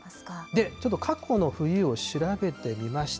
ちょっとかこの冬を調べてみました。